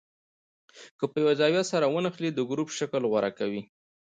که په یوه زاویه سره ونښلي د ګروپ شکل غوره کوي.